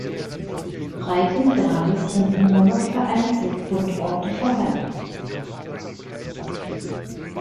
Breitengrades sind nur noch vereinzelt Fundorte vorhanden.